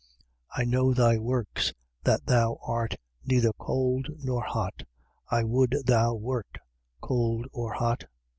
I know thy works, that thou art neither cold nor hot. I would thou wert cold or hot.